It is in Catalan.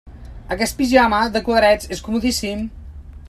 Aquest pijama de quadrets és comodíssim.